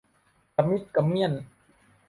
กระมิดกระเมี้ยน